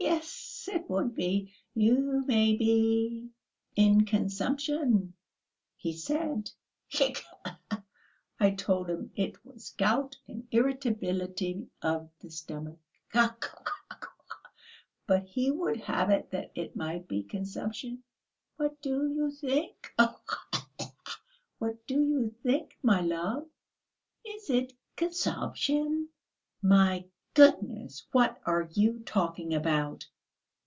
"Yes, it would be! 'You may be in consumption," he said. "Khee khee! And I told him it was gout and irritability of the stomach ... Khee khee! But he would have it that it might be consumption. What do you think ... khee khee! What do you think, my love; is it consumption?" "My goodness, what are you talking about?"